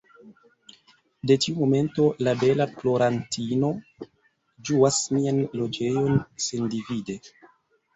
De tiu momento, la bela plorantino ĝuas mian loĝejon sendivide.